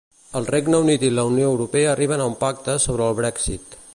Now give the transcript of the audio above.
El Regne Unit i la Unió Europea arriben a un pacte sobre el Brexit.